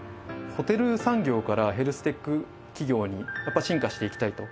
ホテル産業からヘルステック企業に、やっぱり進化していきたいと。